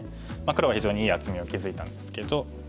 黒は非常にいい厚みを築いたんですけど。